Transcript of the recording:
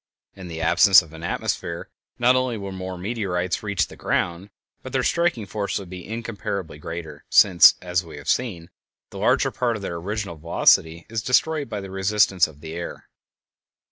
In the absence of an atmosphere not only would more meteorites reach the ground, but their striking force would be incomparably greater, since, as we have seen, the larger part of their original velocity is destroyed by the resistance of the air.